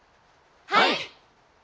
はい！